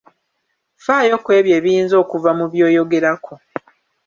Faayo kwebyo ebiyinza okuva mu by'oyogerako.